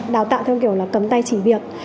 đào tạo theo kiểu là cầm tay chỉ việc